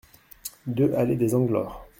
deux allée des Anglores